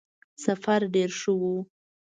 سفر ډېر ښه وو.